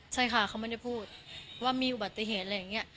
ใช่ค่ะเขาไม่ได้พูดว่ามีอุบัติเหตุอะไรอย่างนี้